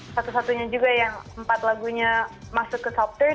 satu satunya juga yang empat lagunya masuk ke top tiga